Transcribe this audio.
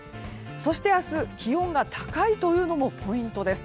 そして明日気温が高いというのもポイントです。